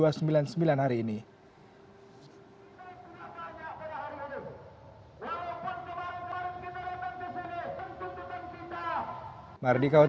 walaupun kemarin kemarin kita datang ke sini untuk ditemukan kita